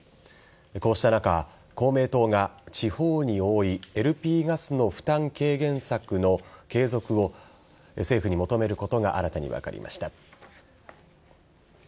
こうした中、公明党が地方に多いＬＰガスの負担軽減策の継続を政府に求めることが新たに分かりました。